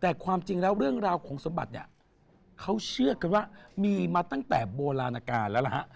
แต่ความจริงแล้วเรื่องราวของสมบัติเนี่ยเขาเชื่อกันว่ามีมาตั้งแต่โบราณการแล้วล่ะฮะ